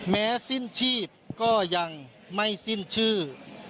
แม้สิ้นชีพก็ยังไม่สิ้นชื่อ